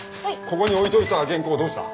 ここに置いといた原稿どうした？